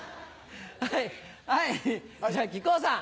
はいじゃあ木久扇さん。